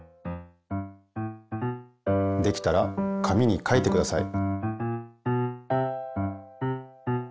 できたら紙に書いてください。